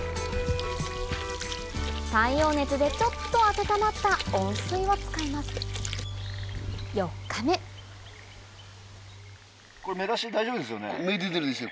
太陽熱でちょっと温まった温水を使います芽出てるでしょ？